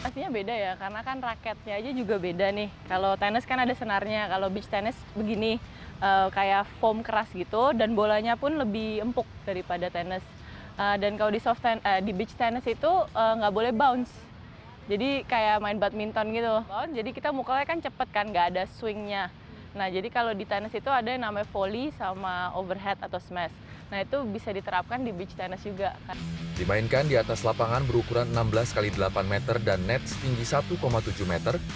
dimainkan di atas lapangan berukuran enam belas x delapan meter dan net setinggi satu tujuh meter